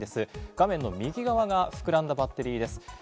画面の右側が膨らんだバッテリーです。